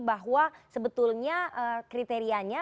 bahwa sebetulnya kriterianya